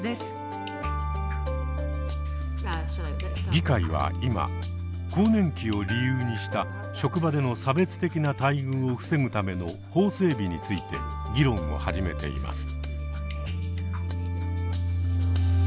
議会は今更年期を理由にした職場での差別的な待遇を防ぐための法整備について議論を始めています。